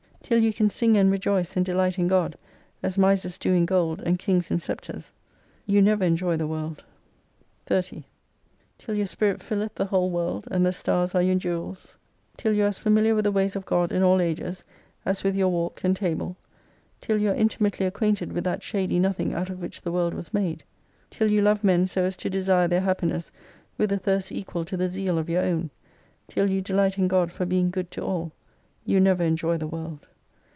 Till you can sing and rejoice and delight in God, as misers do in gold, and kings in sceptres, you never enjoy the world. "30. Till your spirit filleth the whole world, and the stars are your jewels : till you are as familiar with the ways of God in all ages as with your walk and table : till you are intimately acquainted with that shady nothing out of which the world was made : till you iove men so as to desire their happiness with a thirst equal to the zeal of your own : till you delight in God for being good to all : you never enjoy the world.